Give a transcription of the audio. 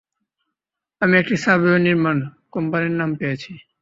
আমি একটি সাবওয়ে নির্মাণ কোম্পানির নাম পেয়েছি।